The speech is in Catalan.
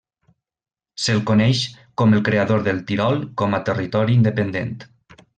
Se'l coneix com el creador del Tirol com a territori independent.